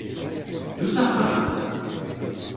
Ddu s axxam!